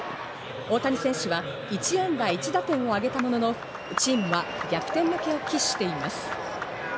大谷選手は１安打１打点をあげたものの、チームは逆転負けを喫しています。